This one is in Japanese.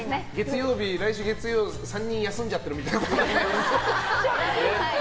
来週月曜３人休んじゃってるみたいなことは。